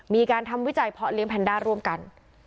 มีการทำวิจัยเพาะเลี้ยแพนด้าร่วมกัน